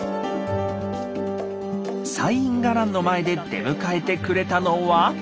西院伽藍の前で出迎えてくれたのは。